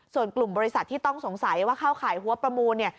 ส่วนกลุ่มบริษัทที่ต้องสงสัยว่าเข้าข่ายหัวประมูลเนี่ย